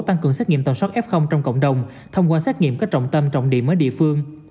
tăng cường xét nghiệm tổng số f trong cộng đồng thông qua xét nghiệm các trọng tâm trọng điểm ở địa phương